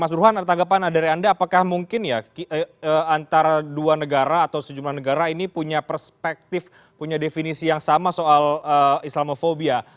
mas burhan ada tanggapan dari anda apakah mungkin ya antara dua negara atau sejumlah negara ini punya perspektif punya definisi yang sama soal islamofobia